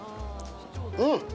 うん！